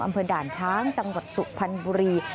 อำเภอด่านช้างจังหวัดสุพรรณบุรี